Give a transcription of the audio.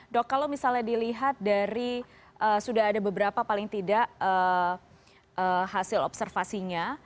dok kalau misalnya dilihat dari sudah ada beberapa paling tidak hasil observasinya